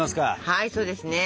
はいそうですね。